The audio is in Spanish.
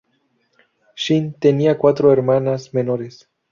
Shin tenía cuatro hermanas menores.